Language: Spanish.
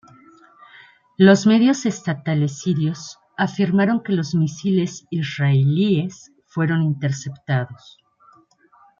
Los medios estatales sirios afirmaron que los misiles israelíes fueron interceptados.